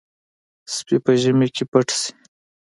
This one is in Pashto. سپي په ژمي کې پټ شي.